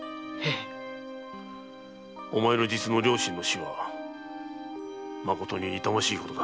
お前の実の両親の死はまことに痛ましいことだ。